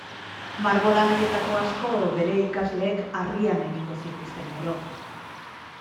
Margolan haietako asko bere ikasleek harrian egingo zituzten gero.